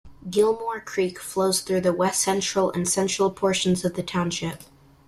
Gilmore Creek flows through the west-central and central portions of the township.